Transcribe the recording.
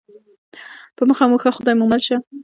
په مخه مو ښه خدای مو مل شه